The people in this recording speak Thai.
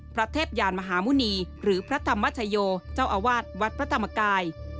เทพยานมหาหมุณีหรือพระธรรมชโยเจ้าอาวาสวัดพระธรรมกาย